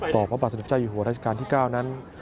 ต่อบัสดุพระเจ้าอยู่หัวรัชกาลที่๙นั้น